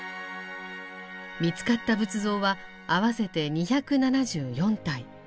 見つかった仏像は合わせて２７４体。